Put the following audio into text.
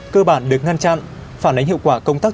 cơ bản được ngăn chặn phản ánh hiệu quả công tác